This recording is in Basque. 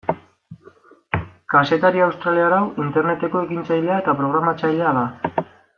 Kazetari australiar hau Interneteko ekintzailea eta programatzailea da.